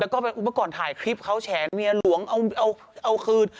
แล้วก็เมื่อก่อนถ่ายคลิปเขาแฉเมียหลวงเอาคืน